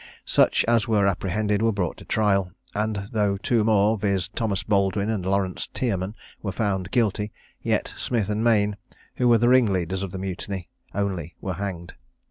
Such as were apprehended were brought to trial; and though two more, viz. Thomas Baldwin and Laurence Tierman, were found guilty, yet Smith and Mayne, who were the ringleaders of the mutiny, only were hanged.